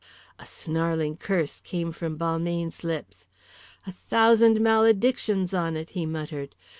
A snarling curse came from Balmayne's lips. "A thousand maledictions on it!" he muttered.